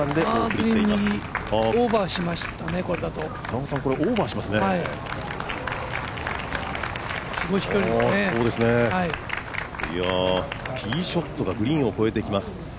ティーショットがグリーンを越えてきます。